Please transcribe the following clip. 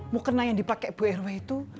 mukena yang dipake bu erwe itu